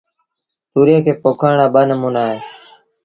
تُوريئي کي پوکڻ رآ ٻآݩموݩآ اهيݩ